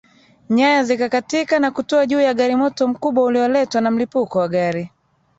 Nyaya zikakatika na kutua juu ya gari moto mkubwa ulioletwa na mlipuko wa gari